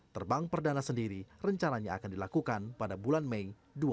terbang perdana sendiri rencananya akan dilakukan pada bulan mei dua ribu dua puluh